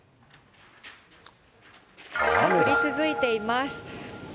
降り続いています。